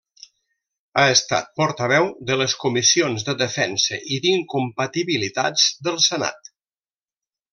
Ha estat portaveu de les Comissions de Defensa i d'Incompatibilitats del Senat.